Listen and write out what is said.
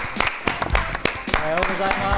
おはようございます。